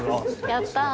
やったー。